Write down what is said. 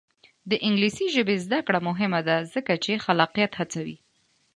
د انګلیسي ژبې زده کړه مهمه ده ځکه چې خلاقیت هڅوي.